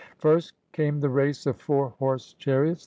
First came the race of four horse chariots.